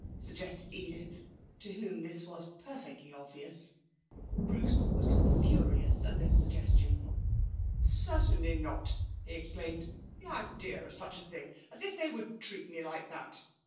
suggested Edith, to whom this was perfectly obvious. Bruce was furious at this suggestion. 'Certainly not!' he exclaimed. 'The idea of such a thing. As if they would treat me like that!